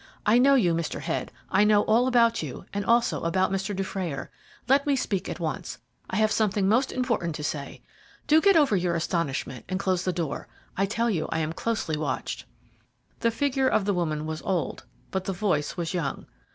I know you, Mr. Head. I know all about you, and also about Mr. Dufrayer. Let me speak at once. I have something most important to say. Do get over your astonishment, and close the door. I tell you I am closely watched." The figure of the woman was old, but the voice was young.